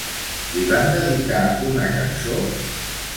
Li van dedicar una cançó?